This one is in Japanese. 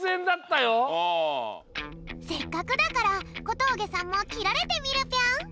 せっかくだから小峠さんもきられてみるぴょん。